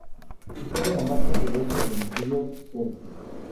Situado en la margen derecha del río Serpis.